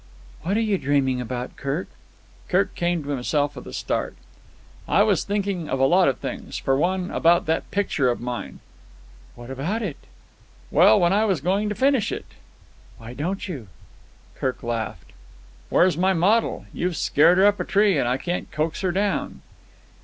"What are you dreaming about Kirk?" Kirk came to himself with a start. "I was thinking of a lot of things. For one, about that picture of mine." "What about it?" "Well, when I was going to finish it." "Why don't you?" Kirk laughed. "Where's my model? You've scared her up a tree, and I can't coax her down."